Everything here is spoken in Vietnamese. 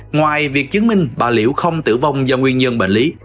ngoài việc chứng minh bà liễu không tử vong do nguyên nhân bệnh lý